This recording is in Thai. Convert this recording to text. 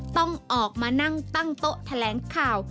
ต้องออกมานั่งตั้งโต๊ะแถลงข่าว